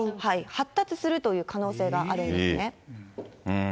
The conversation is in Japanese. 発達するという可能性があるんですね。